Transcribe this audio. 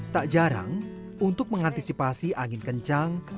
tak jarang untuk mengantisipasi angin kencang